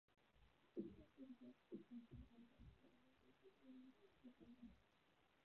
上述的歌曲的现场版本评价也比录音室版本好。